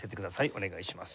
お願いします。